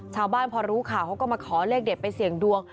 ชาวบ้านพอรู้ข่าวเขาก็มาขอเลขเด็ดไปเสี่ยงดวง